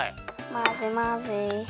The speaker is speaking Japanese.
まぜまぜ。